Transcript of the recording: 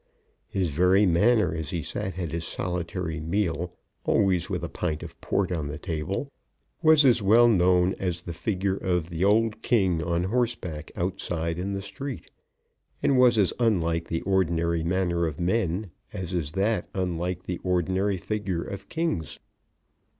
His very manner as he sat at his solitary meal, always with a pint of port on the table, was as well known as the figure of the old king on horseback outside in the street, and was as unlike the ordinary manner of men as is that unlike the ordinary figures of kings.